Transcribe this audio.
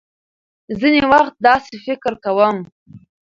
ځينې وخت داسې فکر کوم .